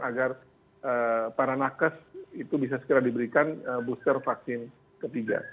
agar para nakes itu bisa segera diberikan booster vaksin ketiga